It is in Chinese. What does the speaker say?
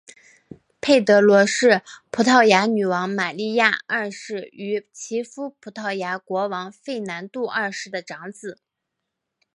佩德罗是葡萄牙女王玛莉亚二世与其夫葡萄牙国王费南度二世的长子。